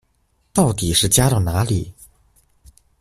到底是加到哪裡